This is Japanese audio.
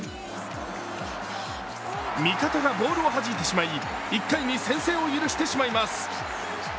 味方がボールをはじいてしまい、１回に先制を許してしまいます。